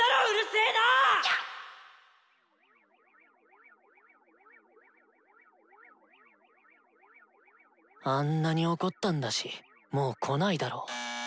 心の声あんなに怒ったんだしもう来ないだろ。